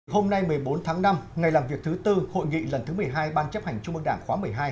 hôm nay một mươi bốn tháng năm ngày làm việc thứ tư hội nghị lần thứ một mươi hai ban chấp hành trung mương đảng khóa một mươi hai